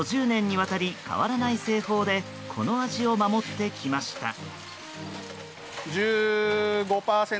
５０年にわたり変わらない製法でこの味を守ってきました。